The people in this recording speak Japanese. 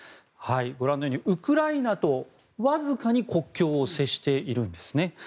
ご覧のようにウクライナとわずかに国境を接しているんですね。